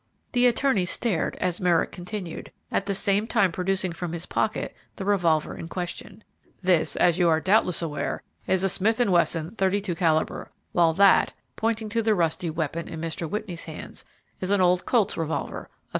The attorney stared as Merrick continued, at the same time producing from his pocket the revolver in question, "This, as you are doubtless aware, is a Smith and Wesson, 32 calibre, while that," pointing to the rusty weapon in Mr. Whitney's hands, "is an old Colt's revolver, a 38.